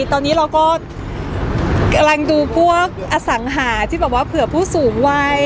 ตอนนี้เราก็กำลังดูพวกอสังหาที่แบบว่าเผื่อผู้สูงวัย